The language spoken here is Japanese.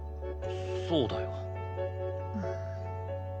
そうだよ。